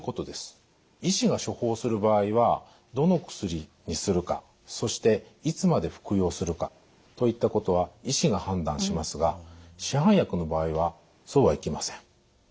医師が処方する場合はどの薬にするかそしていつまで服用するかといったことは医師が判断しますが市販薬の場合はそうはいきません。